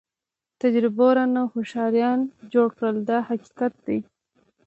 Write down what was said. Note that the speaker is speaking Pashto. تجربو رانه هوښیاران جوړ کړل دا حقیقت دی.